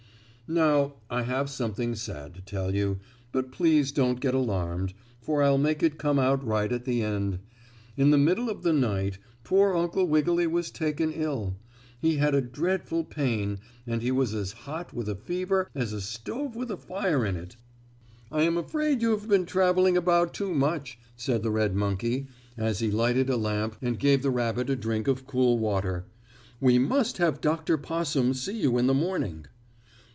Now, I have something sad to tell you, but please don't get alarmed, for I'll make it come out right at the end. In the middle of the night poor Uncle Wiggily was taken ill. He had a dreadful pain, and he was as hot with a fever as a stove with a fire in it. "I am afraid you have been traveling about too much," said the red monkey, as he lighted a lamp and gave the rabbit a drink of cool water. "We must have Dr. Possum see you in the morning."